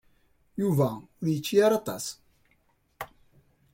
Yuba ur yečči ara aṭas.